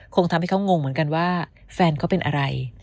คงทำให้เขางงเหมือนกันว่าแฟนเขาเป็นอะไร